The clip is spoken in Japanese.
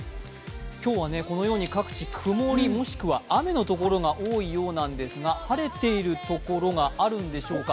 今日はこのように各地、曇りもしくは雨のところが多いようなんですが晴れているところがあるんでしょうか。